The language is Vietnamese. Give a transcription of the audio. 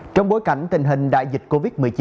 trong bối cảnh tình hình đại dịch covid một mươi chín